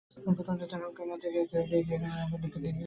প্রথমটা তার হুংকার মাত্রই কেউ কেউ একটু এগিয়ে গেল আগন্তুকের দিকে।